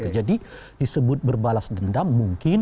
jadi disebut berbalas dendam mungkin